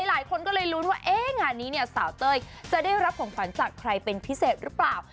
หลายคนก็เลยลุ้นว่างานนี้เนี่ยสาวเต้ยจะได้รับของขวัญจากใครเป็นพิเศษหรือเปล่า